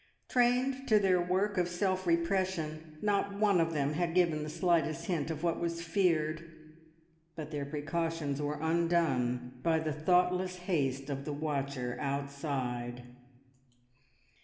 Trained to their work of self repression, not one of them had given the slightest hint of what was feared, but their precautions were undone by the thoughtless haste of the watcher outside.